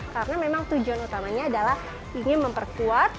karena memang tujuan utamanya adalah ingin memperkuat